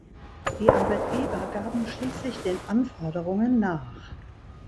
Die Arbeitgeber gaben schließlich den Anforderungen nach.